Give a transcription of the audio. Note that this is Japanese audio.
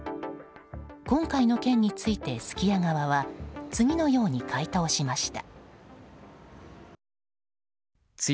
今回の件について、すき家側は次のように回答しました。